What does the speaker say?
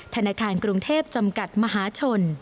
ธนาคารกรุงเทพจำกัดมหาชน